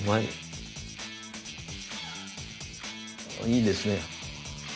いいですね。